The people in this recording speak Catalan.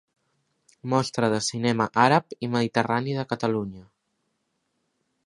Mostra de Cinema Àrab i Mediterrani de Catalunya.